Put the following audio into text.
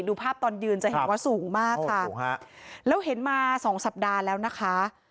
ดูภาพตอนยืนจะเห็นว่าสูงมากค่ะสูงฮะแล้วเห็นมาสองสัปดาห์แล้วนะคะ